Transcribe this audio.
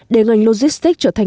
để ngành logistic trở thành